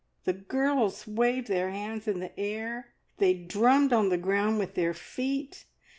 The girls waved their hands in the air, they drummed on the ground with their feet.